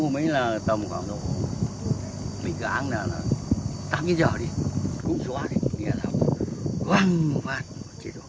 mình gãng là tám cái giờ đi cũng xóa đi nghĩa là quăng phát